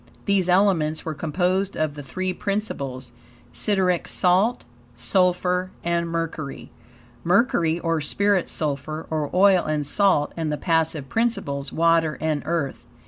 These elements were composed of the three principles, SIDERIC SALT, SULPHUR, and MERCURY. Mercury, or spirit, sulphur, or oil, and salt, and the passive principles, water and earth.